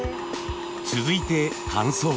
続いて乾燥。